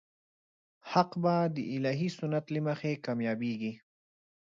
حق به د الهي سنت له مخې کامیابېږي.